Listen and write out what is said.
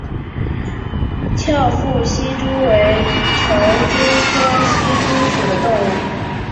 翘腹希蛛为球蛛科希蛛属的动物。